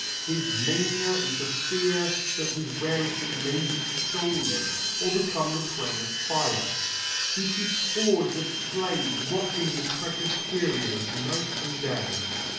His mania is the fear that his rarities may be stolen or become the prey of fire. He keeps hoards of slaves watching his precious curios, night and day.